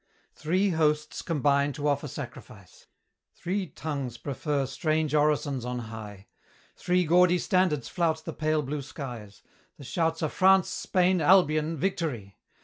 Three hosts combine to offer sacrifice; Three tongues prefer strange orisons on high; Three gaudy standards flout the pale blue skies. The shouts are France, Spain, Albion, Victory!